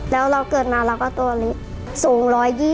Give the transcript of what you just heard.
แล้วเราเกิดมาเราก็ตัวเล็กสูง๑๒๐